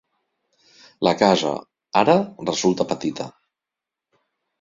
La casa, ara, resulta petita.